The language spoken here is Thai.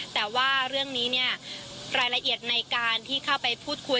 แต่ว่าเรื่องนี้เนี่ยรายละเอียดในการที่เข้าไปพูดคุย